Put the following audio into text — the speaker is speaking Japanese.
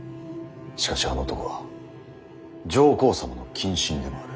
しかしあの男は上皇様の近臣でもある。